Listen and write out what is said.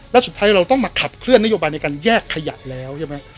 แล้วสุดท้ายเราต้องมาขับเคลื่อนนโยบายในการแยกขยะแล้วใช่ไหม